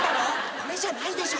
これじゃないでしょ。